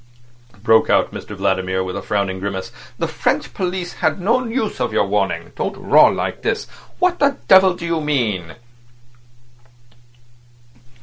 broke out Mr Vladimir, with a frowning grimace. "The French police had no use for your warning. Don't roar like this. What the devil do you mean?"